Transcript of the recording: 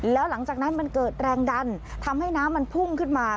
แล้วหลังจากนั้นมันเกิดแรงดันทำให้น้ำมันพุ่งขึ้นมา